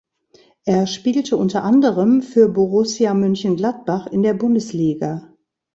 Er spielte unter anderem für Borussia Mönchengladbach in der Bundesliga.